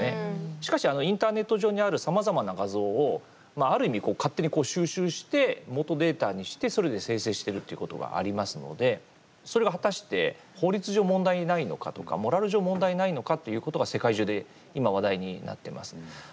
しかしインターネット上にあるさまざまな画像をある意味勝手に収集して元データにしてそれで生成してるっていうことがありますのでそれが果たして法律上問題ないのかとかモラル上問題ないのかっていうことが世界中で今話題になってます。